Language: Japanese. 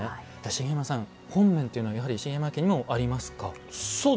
茂山さん、本面というのはやはり茂山家にもありますか？